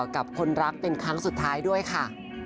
กับคนรักเป็นครั้งสุดท้ายด้วยค่ะ